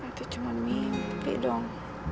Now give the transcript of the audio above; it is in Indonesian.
itu cuma mimpi dong